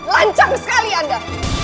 lancam sekali anda